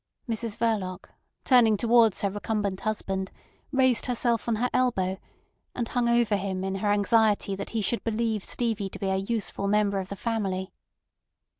Mrs Verloc, turning towards her recumbent husband, raised herself on her elbow, and hung over him in her anxiety that he should believe Stevie to be a useful member of the family.